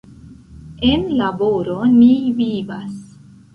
En laboro ni vivas.